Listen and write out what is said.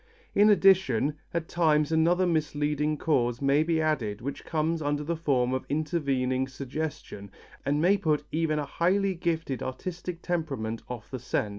In addition, at times another misleading cause may be added which comes under the form of intervening suggestion and may put even a highly gifted artistic temperament off the scent.